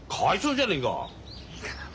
いいから。